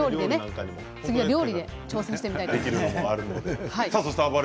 次は料理で挑戦してみたいと思います。